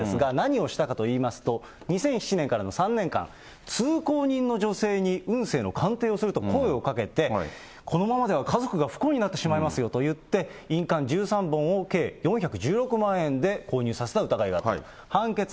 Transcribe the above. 社長と販売員合わせて７人が、特定商取引法違反の疑いで逮捕されたんですが、何をしたかといいますと、２００７年からの３年間、通行人の女性に運勢の鑑定をすると声をかけて、このままでは家族が不幸になってしまいますよと言って、印鑑１３本、計４１６万円で購入させた疑いがあると。